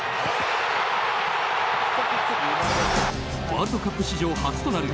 ワールドカップ史上初となる